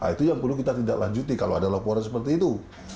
itu yang perlu kita tindak lanjuti kalau ada laporan seperti itu